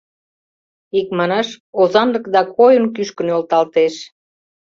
Икманаш, озанлыкда койын кӱшкӧ нӧлталтеш.